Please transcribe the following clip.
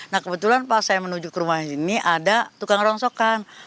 nah kebetulan pas saya menuju ke rumah sini ada tukang rongsokan